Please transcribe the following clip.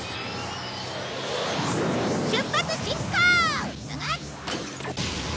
出発進行！